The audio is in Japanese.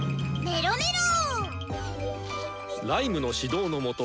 メロメロ！